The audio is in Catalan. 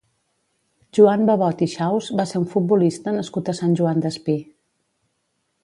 Joan Babot i Xaus va ser un futbolista nascut a Sant Joan Despí.